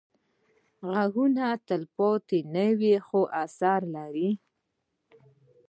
غږونه تلپاتې نه وي، خو اثر لري